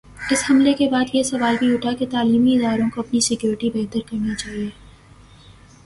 اس حملے کے بعد یہ سوال بھی اٹھا کہ تعلیمی اداروں کو اپنی سکیورٹی بہتر کرنی چاہیے۔